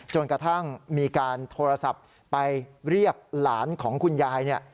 จนกระทั่งมีการโทรศัพท์ไปเรียกหลานของคุณยายเนี่ย